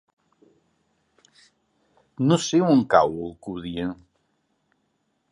No sé on cau Alcúdia.